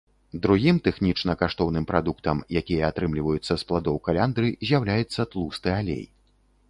Другім тэхнічна каштоўным прадуктам, якія атрымліваюцца з пладоў каляндры, з'яўляецца тлусты алей.